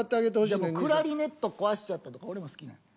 じゃ「クラリネットをこわしちゃった」とか俺も好きなんや。